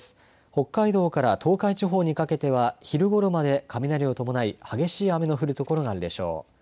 北海道から東海地方にかけては、昼ごろまで、雷を伴い、激しい雨の降る所があるでしょう。